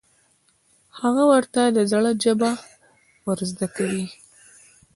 هغه ورته د زړه ژبه ور زده کوي.